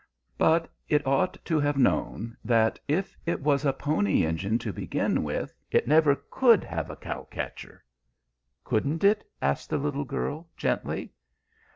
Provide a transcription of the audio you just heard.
"But it ought to have known that if it was a Pony Engine to begin with, it never could have a cow catcher." "Couldn't it?" asked the little girl, gently.